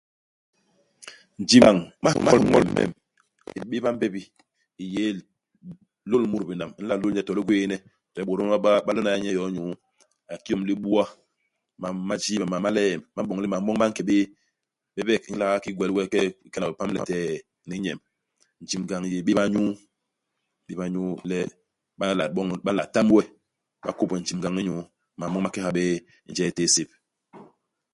Njibngañ, i mahoñol mem, i yé béba i mbebi i yé i lô i lôl mut binam. I nla lôl nye to i ligwééne. To le bôt bon ba ba, ba lona nye yo i nyuu. A yé kiki yom i libua. Mam ma jiibe, mam ma liemb. Ba m'boñ le mam moñ ma nke bé. Bebek i nla nga ki gwel we, i ké'e i kena we ipam letee ni i nyemb. Njibngañ i yé béba i nyuu. Béba i nyuu le ba nla boñ ba nla tam we. Ba kôp we njibngañ i nyuu. Mam moñ ma ke ha bé i njel i téé sép.